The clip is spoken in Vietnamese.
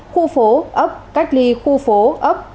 khu phố ấp cách ly khu phố ấp